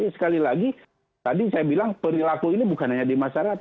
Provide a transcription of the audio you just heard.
sekali lagi tadi saya bilang perilaku ini bukan hanya di masyarakat